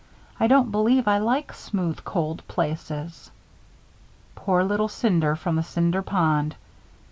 I don't believe I like smooth, cold places." Poor little Cinder from the Cinder Pond!